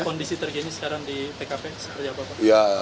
kondisi terkini sekarang di tkp seperti apa pak